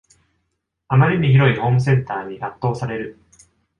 あまりに広いホームセンターに圧倒される